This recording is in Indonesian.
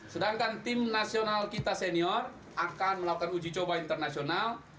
sedangkan timnasional kita senior akan melakukan uji coba internasional